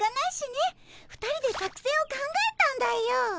２人で作戦を考えたんだよ。